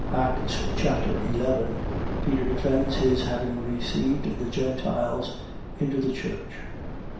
Acts Chapter 11 Peter defends his having received the Gentiles into the church.